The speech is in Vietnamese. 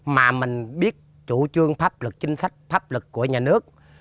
mà mình biết chủ trương pháp luật chính sách pháp luật của nhà nước